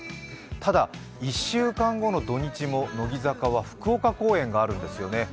ただ、１週間後の土日も乃木坂は福岡公演があるんですよね。